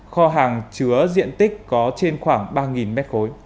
kho hàng chứa diện tích có trên khoảng ba m hai